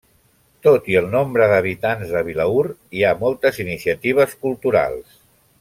Tot i el nombre d'habitants de Vilaür, hi ha moltes iniciatives culturals.